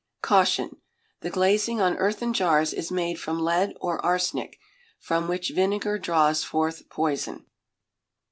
Caution. The glazing on earthen jars is made from lead or arsenic, from which vinegar draws forth poison.